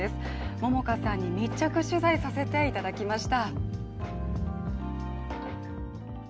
桃花さんに密着取材させていただきました。